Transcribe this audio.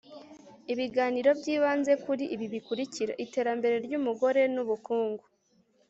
Ibiganiro by’ibanze kuri ibi bikurikira iterambere ry’ umugore nu bukungu